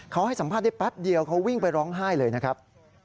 เขาให้สัมภาษณ์ได้แป๊บเดียวเขาวิ่งไปร้องไห้เลยนะครับ